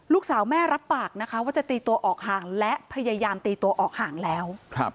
ลูกสาวแม่รับปากนะคะว่าจะตีตัวออกห่างและพยายามตีตัวออกห่างแล้ว